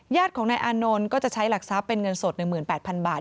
ญาติของนายอานนท์ก็จะใช้หลักทรัพย์เป็นเงินสด๑๘๐๐๐บาท